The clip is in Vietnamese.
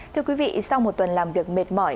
thưa quý vị sau một tuần làm việc mệt mỏi